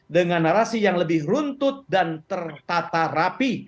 dengan narasi yang lebih runtut dan tertata rapi